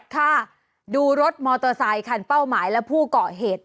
ค่ะดูรถมอเตอร์ไซคันเป้าหมายและผู้เกาะเหตุ